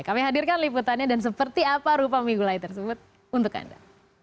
kami hadirkan liputannya dan seperti apa rupa mie gulai tersebut untuk anda